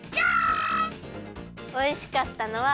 おいしかったのは。